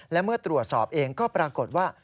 และเมื่อตรวจสอบเองก็ปรากฏว่า